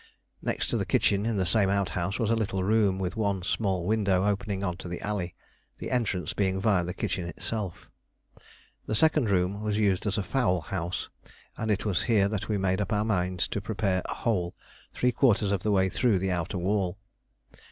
Next to the kitchen in the same outhouse was a little room with one small window opening on to the alley, the entrance being viâ the kitchen itself. This second room was used as a fowl house, and it was here that we made up our minds to prepare a hole three quarters of the way through the outer wall.